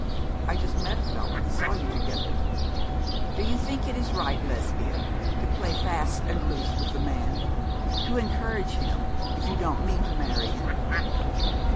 I just met a fellow who saw you together. Do you think it is right, Lesbia, to play fast and loose with the man to encourage him, if you don't mean to marry him?'